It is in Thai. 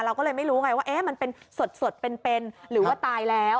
เราก็เลยไม่รู้ไงว่ามันเป็นสดเป็นหรือว่าตายแล้ว